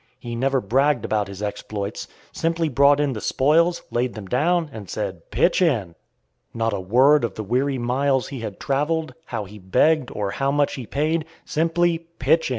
He never bragged about his exploits; simply brought in the spoils, laid them down, and said, "Pitch in." Not a word of the weary miles he had traveled, how he begged or how much he paid, simply "Pitch in."